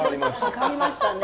変わりましたね。